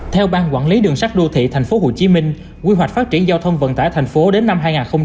theo ban quản lý đường sắt đô thị tp hcm quy hoạch phát triển giao thông vận tải thành phố đến năm hai nghìn ba mươi